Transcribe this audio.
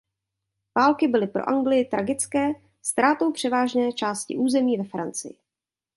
Války byly pro Anglii tragické ztrátou převážné části území ve Francii.